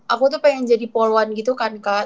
aku tuh pengen jadi poluan gitu kan kak